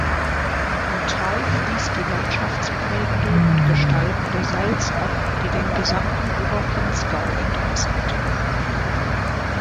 Im Tal fließt die landschaftsprägende und -gestaltende Salzach, die den gesamten Oberpinzgau entwässert.